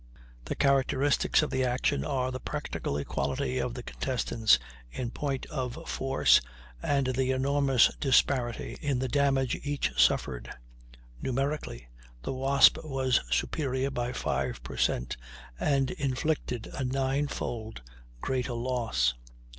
The characteristics of the action are the practical equality of the contestants in point of force and the enormous disparity in the damage each suffered; numerically, the Wasp was superior by 5 per cent., and inflicted a ninefold greater loss.